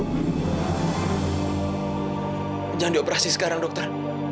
jangan dioperasi sekarang dokter